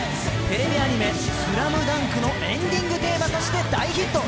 テレビアニメ「ＳＬＡＭＤＵＮＫ」のエンディングテーマとして大ヒット。